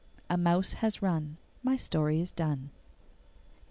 A mouse has run, My story's done.